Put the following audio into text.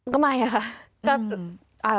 ก็ไม่ค่ะ